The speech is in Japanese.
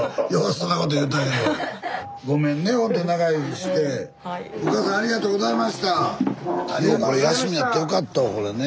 スタジオようこれ休みやってよかったわこれね。ね。